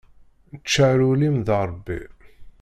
Ččar ul-im d Rebbi.